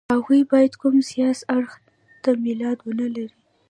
هغوی باید کوم سیاسي اړخ ته میلان ونه لري.